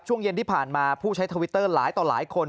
ช่วงเย็นที่ผ่านมาผู้ใช้ทวิตเตอร์หลายต่อหลายคน